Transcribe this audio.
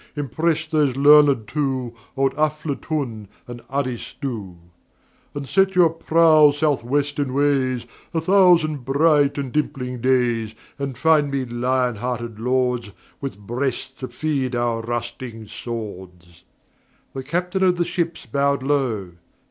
Impress those learned two, Old Aflatun, and Aristu. "And set your prow South western ways A thousand bright and dimpling days, And find me lion hearted Lords With breasts to feed Our rusting swords." The Captain of the Ships bowed low.